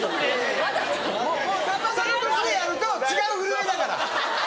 もうさんまさんの年でやると違う震えだから。